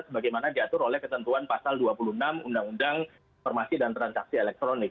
sebagaimana diatur oleh ketentuan pasal dua puluh enam undang undang informasi dan transaksi elektronik